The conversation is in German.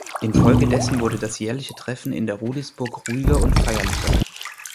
Infolgedessen wurde das jährliche Treffen in der Rudelsburg ruhiger und feierlicher.